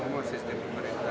kalau jabatan itu